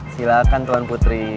silakan tuan putri